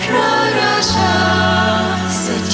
พระราชาสจิตในดวงใจนิรันดิ์